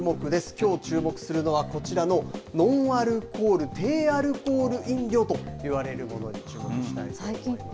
きょう注目するのはこちらのノンアルコール・低アルコール飲料といわれるものに注目したいと思います。